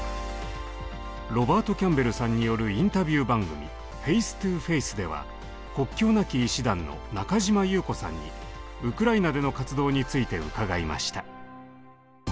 ロバート・キャンベルさんによるインタビュー番組「ＦａｃｅＴｏＦａｃｅ」では「国境なき医師団」の中嶋優子さんにウクライナでの活動について伺いました。